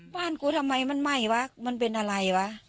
บ้านกูทำไมมันไหม้วะมันเป็นอะไรวะ